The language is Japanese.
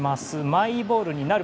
マイボールになる。